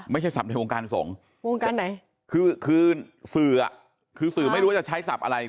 ไม่ใช่สับในวงการส่งวงการไหนคือสื่อคือสื่อไม่รู้ว่าจะใช้สับอะไร